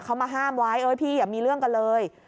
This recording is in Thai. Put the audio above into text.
เขามาห้ามไว้เอ้ยพี่อย่ามีเรื่องกันเลย